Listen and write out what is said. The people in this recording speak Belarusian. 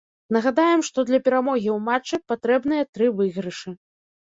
Нагадаем, што для перамогі ў матчы патрэбныя тры выйгрышы.